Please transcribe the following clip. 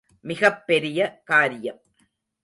மிகப் பெரிய காரியம்.